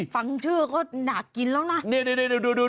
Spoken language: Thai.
ฟังชื่อก็หนาดกินแล้วนะนี่ดู